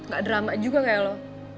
gak drama juga kayak lo